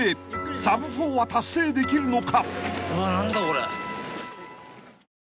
サブ４は達成できるのか？］